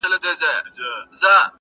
پر لویو غرو د خدای نظر دی.!